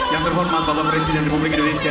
yang terhormat bapak presiden republik indonesia